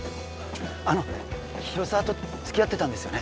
あの広沢と付き合ってたんですよね？